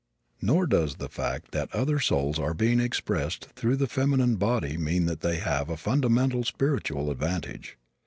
Nor does the fact that other souls are being expressed through the feminine body mean that they have a fundamental spiritual advantage.